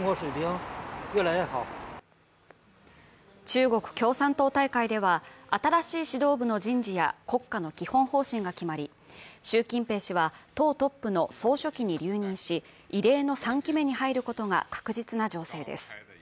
中国共産党大会では新しい指導部の人事や国家の基本方針が決まり、習近平氏は党トップの総書記に留任し異例の３期目に入ることが確実な情勢です。